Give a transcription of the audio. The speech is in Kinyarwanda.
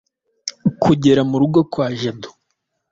Kugera murugo kwa Jado